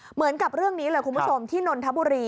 เหมือนกับเรื่องนี้เลยคุณผู้ชมที่นนทบุรี